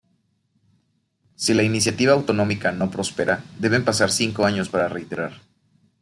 Si la iniciativa autonómica no prospera, deben pasar cinco años para reiterar.